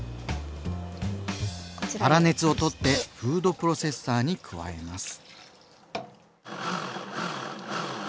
粗熱を取ってフードプロセッサーに加えます。